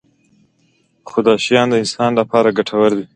خو دا شیان د انسان لپاره ګټور دي.